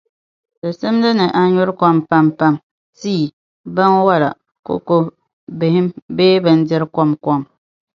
di simdi ni a nyuri kom pampam, tii, binwala, koko, bihim bee bindiri' komkom.